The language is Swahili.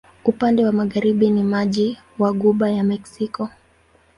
Upande wa magharibi ni maji wa Ghuba ya Meksiko.